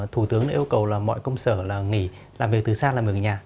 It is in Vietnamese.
thủ tướng đã yêu cầu là mọi công sở là nghỉ làm việc từ xa làm ở nhà